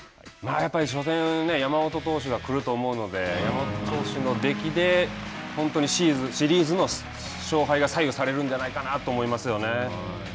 やっぱり初戦山本投手が来ると思うので山本投手のできで本当にシリーズの勝敗が左右されるんじゃないかなと思いますよね。